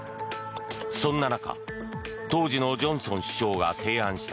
そんな中当時のジョンソン首相が提案した